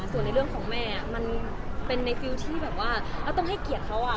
ส่วนในเรื่องของแม่มันเป็นในฟิลที่แบบว่าเราต้องให้เกียรติเขาอ่ะ